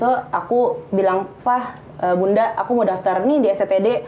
terus abis itu aku bilang fah bunda aku mau daftar nih di sttd